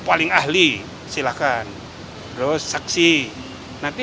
paling ahli silakan terus saksi nanti